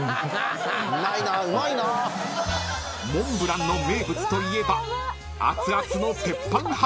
［モンブランの名物といえば熱々の］